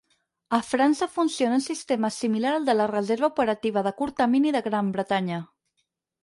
A França funciona un sistema similar al de la Reserva Operativa de Curt Termini de Gran Bretanya.